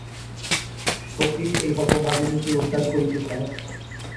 শচীশ এই হতভাগিনীকে উদ্ধার করিতে চায়।